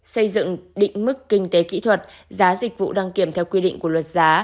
xây dựng định mức kinh tế kỹ thuật giá dịch vụ đăng kiểm theo quy định của luật giá